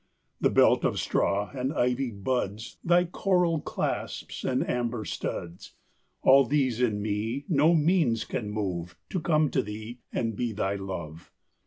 The belt of straw and ivy buds, Thy coral clasps and amber studs, All these in me no means can move, To come to thee, and be thy love.